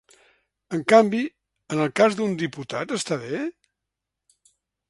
En canvi, en el cas d’un diputat està bé?